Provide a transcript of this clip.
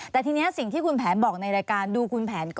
แต่ทีนี้สิ่งที่คุณแผนบอกในรายการดูคุณแผนก่อน